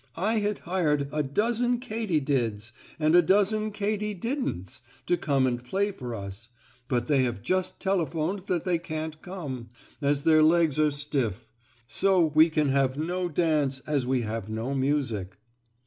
I had hired a dozen Katy Dids and a dozen Katy Didn'ts to come and play for us, but they have just telephoned that they can't come, as their legs are stiff. So we can have no dance, as we have no music."